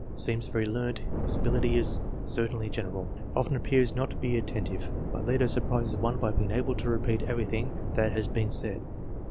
Seems very learned. His ability is certainly general. Often appears not to be atten tive, but later surprises one by being able to repeat eveiything that has been said.